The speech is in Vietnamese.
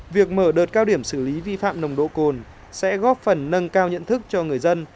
việc mở đợt cao điểm xử lý vi phạm nồng độ cồn sẽ góp phần nâng cao nhận thức cho người dân